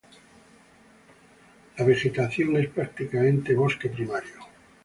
La vegetación es prácticamente bosque primario.